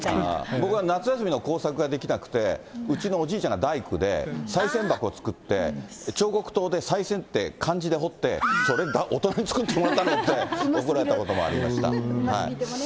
僕は夏休みの宿題ができてなくて、うちのおじいちゃんが大工で、さい銭箱作って、彫刻刀でさい銭って漢字で彫って、それ大人に作ってもらったんだろうって怒られたこともありました。